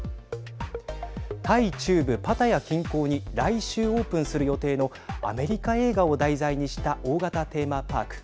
タイ中部パタヤ近郊に来週オープンする予定のアメリカ映画を題材にした大型テーマパーク。